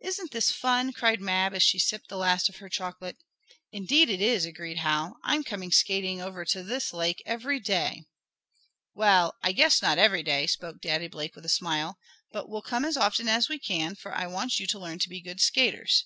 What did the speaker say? "Isn't this fun!" cried Mab as she sipped the last of her chocolate. "Indeed it is," agreed Hal. "I'm coming skating over to this lake every day!" "Well, I guess not every day," spoke Daddy Blake with a smile. "But we'll come as often as we can, for I want you to learn to be good skaters.